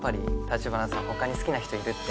城華さん他に好きな人いるって。